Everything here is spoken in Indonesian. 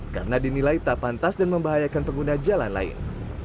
karena dinilai tak pantas dan membahayakan pengguna jalan lain